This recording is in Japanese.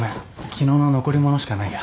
昨日の残り物しかないや。